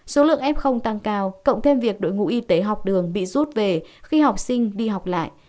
số lượng f tăng cao cộng thêm việc đội ngũ y tế học đường bị rút về khi học sinh đi học lại